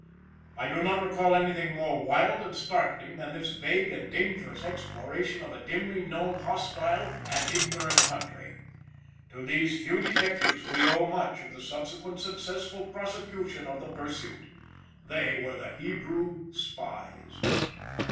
I do not recall anything more wild and startling than this vague and dangerous exploration of a dimly known, hostile, and ignorant country. To these few detectives we owe much of the subsequent successful prosecution of the pursuit. They were the Hebrew spies.